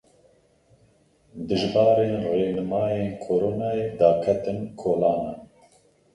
Dijberên rênimayên Koronayê daketin kolanan.